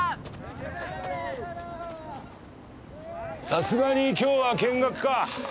さすがに今日は見学か。